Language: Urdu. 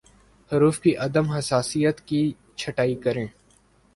حروف کی عدم حساسیت کی چھٹائی کریں